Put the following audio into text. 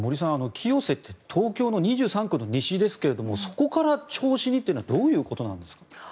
清瀬って東京２３区の西ですがそこから銚子にというのはどういうことなんですか？